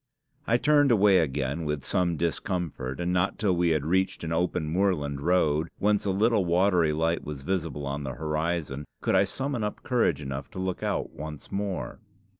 I turned away again with some discomfort, and not till we had reached an open moorland road, whence a little watery light was visible on the horizon, could I summon up courage enough to look out once more.